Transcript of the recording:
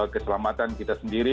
untuk keselamatan kita sendiri